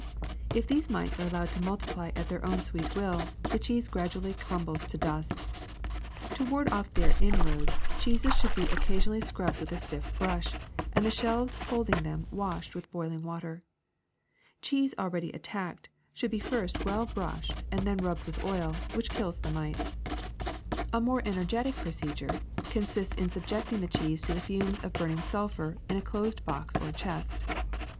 If these mites are allowed to multiply at their own sweet will, the cheese gradually crumbles to dust. To ward off their inroads cheeses should be occa sionally scrubbed with a stiff brush and the shelves holding them washed with boiling water. Cheese al ready attacked should first be well brushed and then rubbed with oil, which kills the mites. A more ener LITTLE PESTS 219 getic procedure consists in subjecting the cheese to the fumes of burning sulphur in a closed box or chest.